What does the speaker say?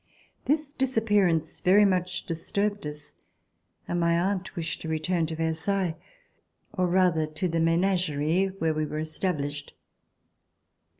This disappearance very much disturbed us, and my aunt wished to return to Versailles, or rather to the Menagerie, where we were established.